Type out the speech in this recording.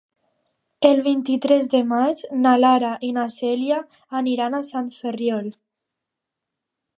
El vint-i-tres de maig na Lara i na Cèlia aniran a Sant Ferriol.